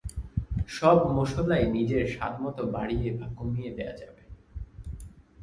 সব মসলাই নিজের স্বাদমতো বাড়িয়ে বা কমিয়ে দেওয়া যাবে।